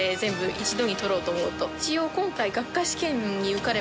一応。